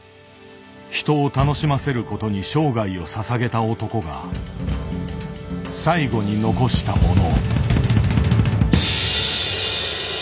人を楽しませることに生涯をささげた男が最後にのこしたもの。